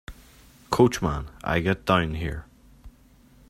Coachman, I get down here.